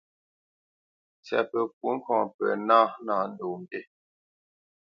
Ntsyapǝ kwó ŋkɔŋ pǝ ná nâ ndo mbî.